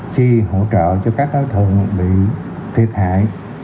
chi hỗ trợ cho các đối tượng bị thiệt hại